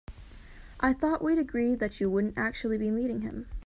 I thought we'd agreed that you wouldn't actually be meeting him?